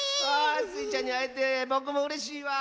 スイちゃんにあえてぼくもうれしいわ。